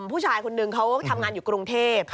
ผู้ชายคนนึงเขาทำงานอยู่กรุงเทพ